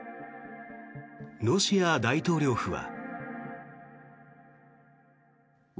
ロシア大統領府は。